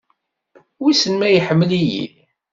Wissen ma iḥemmel-iyi.